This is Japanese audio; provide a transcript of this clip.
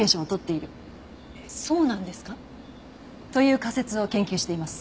えっそうなんですか！？という仮説を研究しています。